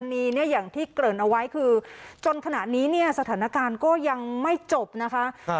อันนี้เนี่ยอย่างที่เกริ่นเอาไว้คือจนขณะนี้เนี่ยสถานการณ์ก็ยังไม่จบนะคะ